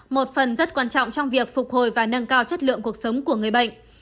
một phần rất quan trọng trong việc phục hồi và nâng cao chất lượng cuộc sống của người bệnh